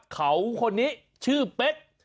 เขาคนนี้ชื่อเป๊ก